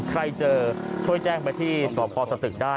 ใครเจอช่วยแจ้งไปที่สพสตึกได้